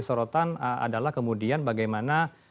sorotan adalah kemudian bagaimana